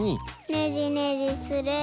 ねじねじすれば。